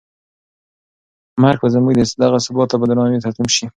مرګ به زموږ دغه ثبات ته په درناوي تسلیم شي.